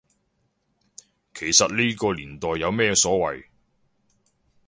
其實呢個年代有咩所謂